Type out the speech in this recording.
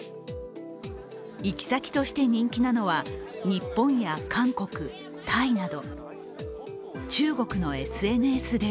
行き先として人気なのは日本や韓国、タイなど。